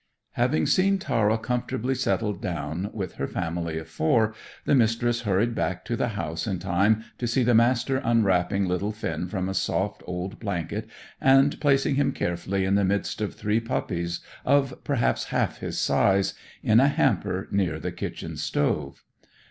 Having seen Tara comfortably settled down with her family of four, the Mistress hurried back to the house in time to see the Master unwrapping little Finn from a soft old blanket, and placing him carefully in the midst of three puppies of perhaps half his size, in a hamper near the kitchen stove.